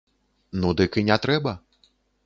Ну, дык і не трэба.